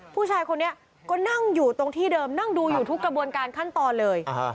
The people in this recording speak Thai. ผู้ชายคนนี้ก็นั่งอยู่ตรงที่เดิมนั่งดูอยู่ทุกกระบวนการขั้นตอนเลย